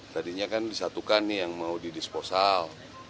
tadinya kan disatukan nih yang mau didisposal